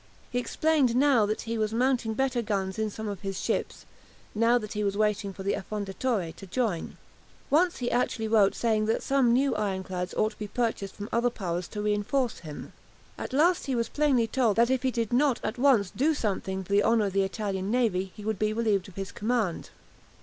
He explained now that he was mounting better guns in some of his ships, now that he was waiting for the "Affondatore" to join. Once he actually wrote saying that some new ironclads ought to be purchased from other powers to reinforce him. At last he was plainly told that if he did not at once do something for the honour of the Italian navy he would be relieved of his command.